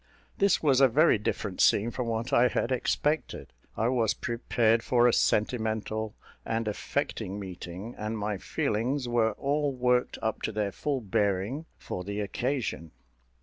This was a very different scene from what I had expected. I was prepared for a sentimental and affecting meeting; and my feelings were all worked up to their full bearing for the occasion.